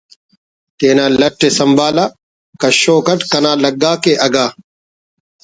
تینا لٹءِ سنبھالہ کشوک اٹ کنا لگاکہ اگہ